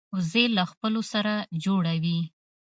وزې له خپلو سره جوړه وي